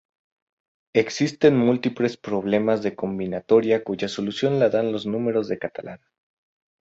Existen múltiples problemas de combinatoria cuya solución la dan los números de Catalan.